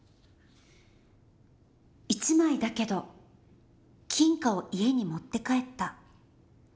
「一枚だけど金貨を家に持って帰った。